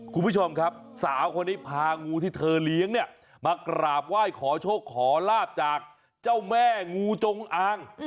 คุณผู้ชมครับสาวคนนี้พางูที่เธอเลี้ยงเนี่ยมากราบไหว้ขอโชคขอลาบจากเจ้าแม่งูจงอาง